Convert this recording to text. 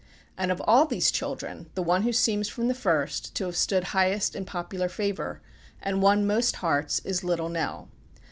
And of all these children, the one who seems, from the first, to have stood highest in popular favour, and won most hearts, is Little Nell.